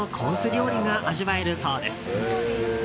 料理が味わえるそうです。